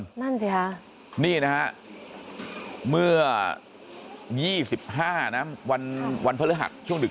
นั่นสิค่ะนี่นะฮะเมื่อ๒๕นะวันพฤหัสช่วงดึก